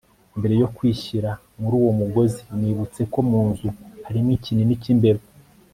mbere yo kwishyira muri uwo mugozi nibutse ko munzu harimo ikinini cyimbeba